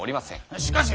しかし。